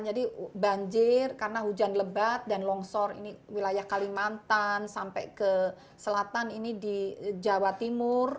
jadi banjir karena hujan lebat dan longsor ini wilayah kalimantan sampai ke selatan ini di jawa timur